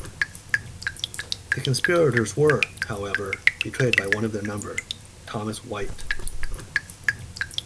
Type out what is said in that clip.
The conspirators were, however, betrayed by one of their number, Thomas Whyte.